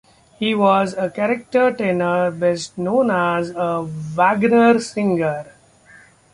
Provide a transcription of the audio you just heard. He was a character tenor best known as a Wagner singer.